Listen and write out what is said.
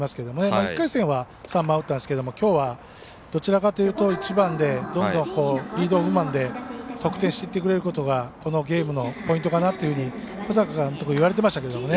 １回戦は３番を打ったんですけどきょうはどちらかというと１番でどんどんリードオフマンで得点していってくれることがこのゲームのポイントかなっていうふうに言われてましたけどね。